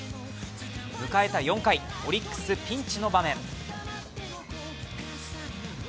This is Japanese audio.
迎えた４回、オリックスがピンチの場面。